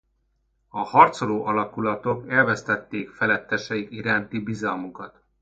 A harcoló alakulatok elvesztették feletteseik iránti bizalmukat.